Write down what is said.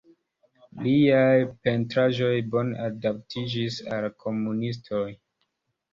Liaj pentraĵoj bone adaptiĝis al la komunistoj.